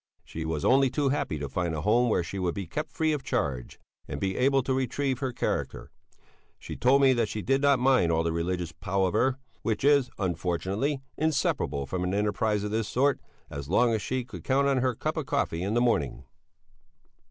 She was only too happy to find a home where she would be kept free of charge, and be able to retrieve her character. She told me that she did not mind all the religious palaver, which is, unfortunately, inseparable from an enterprise of this sort, as long as she could count on her cup of coffee in the morning.